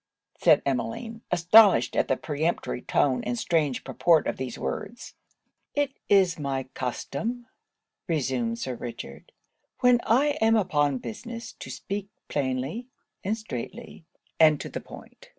said Emmeline, astonished at the peremptory tone and strange purport of these words. 'It is my custom,' resumed Sir Richard, 'when I am upon business, to speak plainly, and straitly, and to the point.